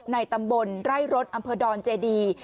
ในตำบลไร่รถอำเภอดอนเจดี